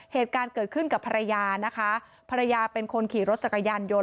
เหตุการณ์เกิดขึ้นกับภรรยานะคะภรรยาเป็นคนขี่รถจักรยานยนต